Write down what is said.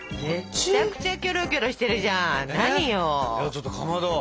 ちょっとかまど